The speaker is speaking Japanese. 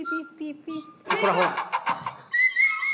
ほらほら。